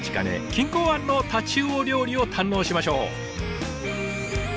錦江湾のタチウオ料理を堪能しましょう！